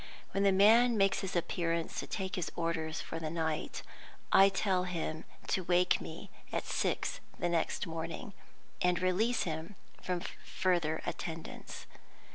When the man makes his appearance to take his orders for the night, I tell him to wake me at six the next morning, and release him from further attendance.